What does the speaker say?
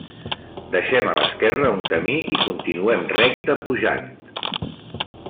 Deixem a l'esquerra un camí i continuem recte, pujant.